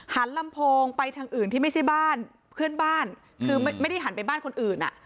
ลำโพงไปทางอื่นที่ไม่ใช่บ้านเพื่อนบ้านคือไม่ได้หันไปบ้านคนอื่นอ่ะ